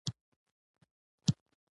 د خلکو سره ښه چلند، د دوستۍ اساس دی.